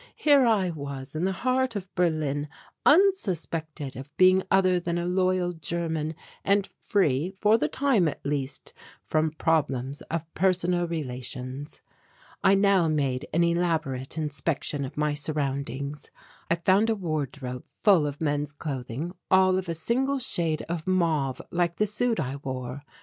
Here I was in the heart of Berlin, unsuspected of being other than a loyal German and free, for the time at least, from problems of personal relations. I now made an elaborate inspection of my surroundings. I found a wardrobe full of men's clothing, all of a single shade of mauve like the suit I wore.